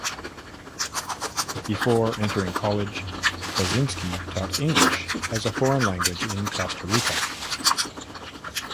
Before entering college, Krasinski taught English as a foreign language in Costa Rica.